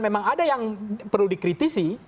memang ada yang perlu dikritisi